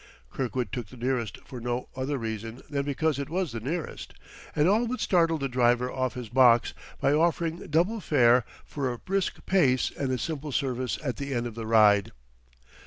Kirkwood took the nearest for no other reason than because it was the nearest, and all but startled the driver off his box by offering double fare for a brisk pace and a simple service at the end of the ride.